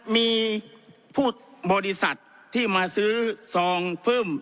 มีผู้บริษัทที่มาซื้อซองเพิ่ม